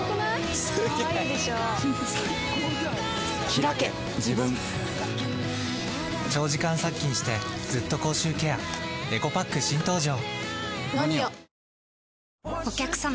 ひらけ自分長時間殺菌してずっと口臭ケアエコパック新登場！